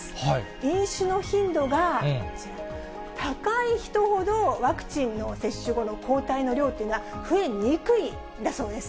飲酒の頻度が高い人ほど、ワクチンの接種後の抗体の量というのは増えにくいんだそうです。